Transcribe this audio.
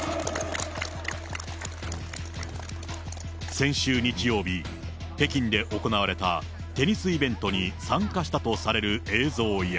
先週日曜日、北京で行われたテニスイベントに参加したとされる映像や。